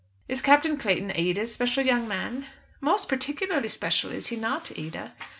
"Is Captain Clayton Ada's special young man?" "Most particularly special, is he not, Ada?"